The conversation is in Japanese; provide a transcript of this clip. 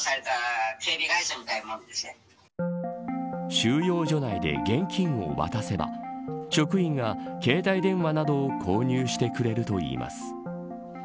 収容所内で現金を渡せば職員が携帯電話などを購入してくれるといいます。